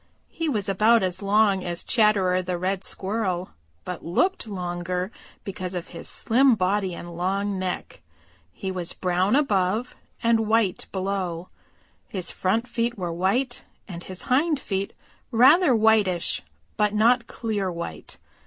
He was about as long as Chatterer the Red Squirrel but looked longer because of his slim body and long neck. He was brown above and white below. His front feet were white, and his hind feet rather whitish, but not clear white.